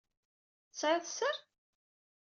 Tesɛiḍ sser?